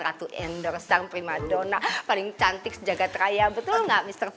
ratu endor sash prima donna paling cantik jagad raya betul enggak mister puh